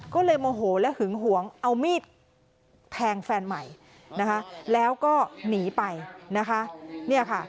ก็เลยโมโหและหึงหวงเอามีดแทงแฟนใหม่นะคะแล้วก็หนีไปนะคะ